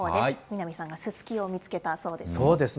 南さんがススキを見つけたそうです。